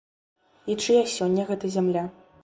І чыя сёння гэта зямля?